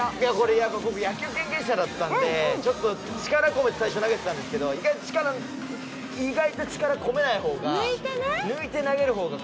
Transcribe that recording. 僕、野球経験者だったのでちょっと力込めて最初投げてたんですけど意外と力込めないほうが。